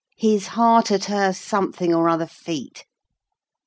His heart at her something or other feet.'